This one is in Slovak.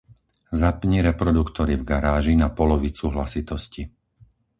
Zapni reproduktory v garáži na polovicu hlasitosti.